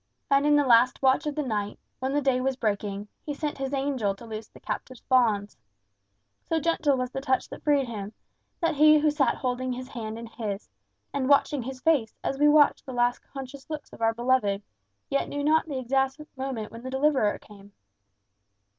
And in the last watch of the night, when the day was breaking, he sent his angel to loose the captive's bonds. So gentle was the touch that freed him, that he who sat holding his hand in his, and watching his face as we watch the last conscious looks of our beloved, yet knew not the exact moment when the Deliverer came.